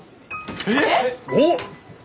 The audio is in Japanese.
えっ！？おっ！